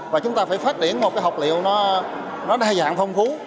và chúng ta phải phát triển một học liệu đa dạng phong phú